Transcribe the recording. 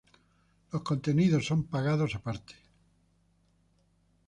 Los contenidos son pagados aparte.